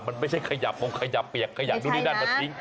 มันไม่ใช่ขยะพงขยะเปียกขยะดูด้านนั้นมันจริง